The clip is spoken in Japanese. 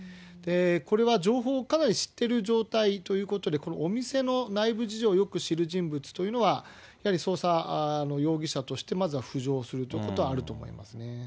これは情報をかなり知ってる状態ということで、お店の内部事情をよく知る人物というのは、やはり捜査の容疑者としてまずは浮上するということはあると思いますね。